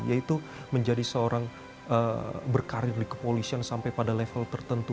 yaitu menjadi seorang berkarir di kepolisian sampai pada level tertentu